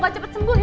cepet sembuh ya